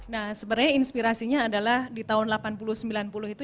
nah sebenarnya inspirasinya adalah di tahun delapan puluh sembilan puluh itu